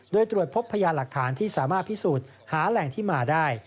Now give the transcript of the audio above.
โดยตรวจพบพยานหลักฐานที่สามารถพิสูจน์หาแหล่งที่มาได้